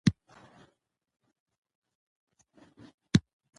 د استاد د بينوا لیکنه ژوره معنا لري.